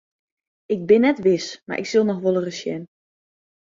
Ik bin net wis mar ik sil noch wolris sjen.